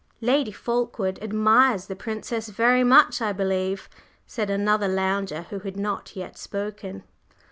"Lady Fulkeward admires the Princess very much, I believe?" said another lounger who had not yet spoken.